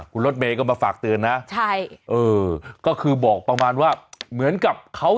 ครูเรียก็มาฝากดีนะใช่ก็คือบอกประมาณว่าเหมือนกับเขา